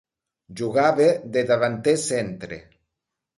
Jugava de davanter centre.